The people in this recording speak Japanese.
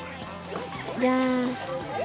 じゃーん。